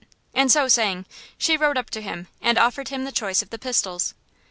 And so saying, she rode up to him and offered him the choice of the pistols.